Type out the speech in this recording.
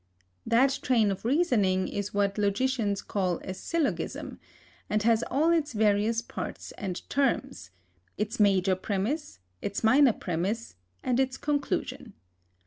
That train of reasoning is what logicians call a syllogism, and has all its various parts and terms, its major premiss, its minor premiss and its conclusion.